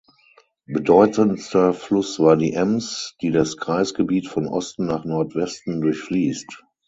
Bedeutendster Fluss war die Ems, die das Kreisgebiet von Osten nach Nordwesten durchfließt.